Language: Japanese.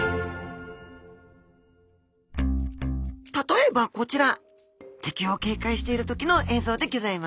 例えばこちら！敵を警戒している時の映像でギョざいます